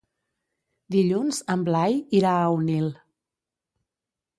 Dilluns en Blai irà a Onil.